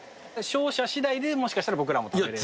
勝者次第でもしかしたら僕らも食べられる。